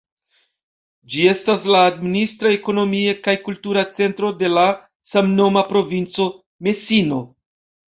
Ĝi estas la administra, ekonomia kaj kultura centro de la samnoma provinco Mesino.